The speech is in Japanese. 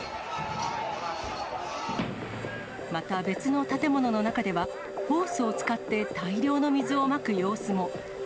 また、別の建物の中では、ホースを使って、大量の水をまく様子も。